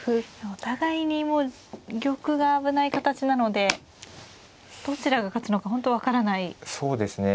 お互いにもう玉が危ない形なのでどちらが勝つのか本当分からない勝負ですね。